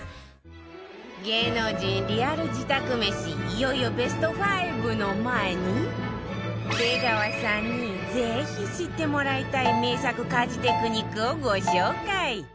芸能人リアル自宅めしいよいよベスト５の前に出川さんにぜひ知ってもらいたい名作家事テクニックをご紹介